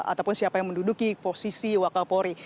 ataupun siapa yang menduduki posisi wakapolri